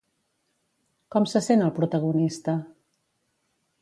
Com se sent el protagonista?